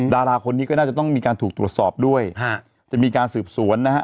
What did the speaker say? ดาราคนนี้ก็น่าจะต้องมีการถูกตรวจสอบด้วยฮะจะมีการสืบสวนนะฮะ